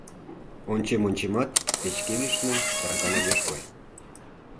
Ончем-ончемат, печке лишне таракан огеш кой.